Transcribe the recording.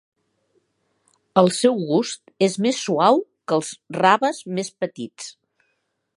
El seu gust és més suau que els raves més petits.